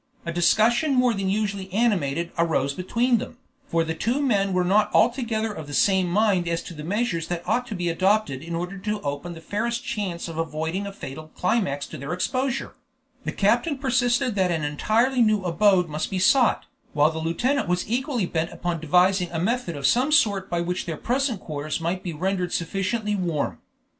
A discussion more than usually animated arose between them, for the two men were not altogether of the same mind as to the measures that ought to be adopted in order to open the fairest chance of avoiding a fatal climax to their exposure; the captain persisted that an entirely new abode must be sought, while the lieutenant was equally bent upon devising a method of some sort by which their present quarters might be rendered sufficiently warm.